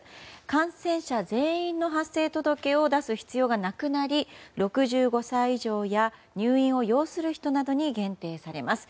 感染者全員の発生届を出す必要がなくなり６５歳以上や入院を要する人に限定されます。